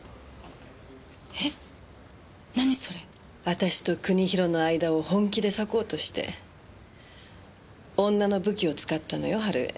私と国広の間を本気で裂こうとして女の武器を使ったのよ春枝。